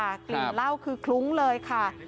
กลิ่นเหล้าคือคลุ้งเลยค่ะ